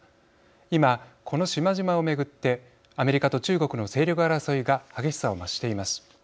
今この島々を巡ってアメリカと中国の勢力争いが激しさを増しています。